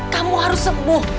kamu harus sembuh